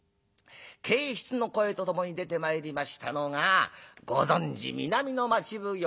けいひつの声とともに出てまいりましたのがご存じ南の町奉行